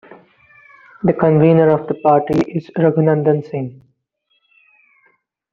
The convenor of the party is Raghunandan Singh.